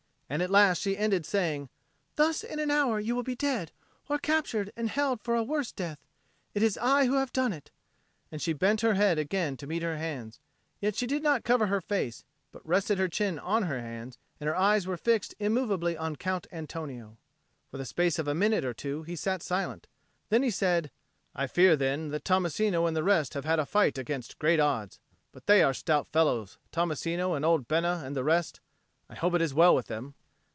And at last she ended saying, "Thus in an hour you will be dead, or captured and held for a worse death. It is I who have done it." And she bent her head again to meet her hands; yet she did not cover her face, but rested her chin on her hands, and her eyes were fixed immovably on Count Antonio. For the space of a minute or two he sat silent. Then he said, "I fear, then, that Tommasino and the rest have had a fight against great odds. But they are stout fellows, Tommasino, and old Bena, and the rest. I hope it is well with them."